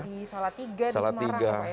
di salatiga di semarang gitu ya